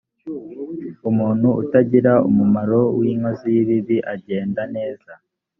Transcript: umuntu utagira umumaro w inkozi y ibibi agenda neza